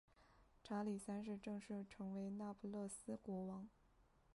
查理三世正式成为那不勒斯国王。